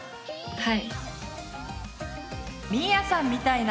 はい。